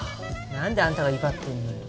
何であんたが威張ってんのよ。